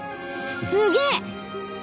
すげえ！